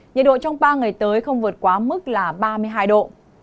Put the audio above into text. nhiệt độ trong ba ngày tới không vượt quá mức là ba mươi hai độ